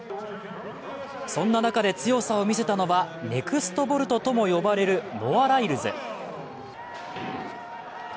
そんな中で強さを見せたのはネクストボルトとも呼ばれるノア・ライルズ。